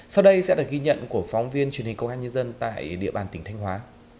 sau đây sẽ là ghi nhận của phóng viên truyền hình công an nhân dân tại địa bàn tỉnh thanh hóa